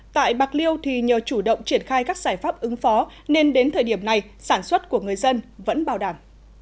tại bạc liêu thì nhờ chủ động triển khai các giải pháp ứng phó nên đến thời điểm này sản xuất của người dân vẫn bảo đảm